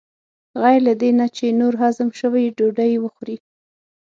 غیر له دې نه چې نور هضم شوي ډوډۍ وخورې.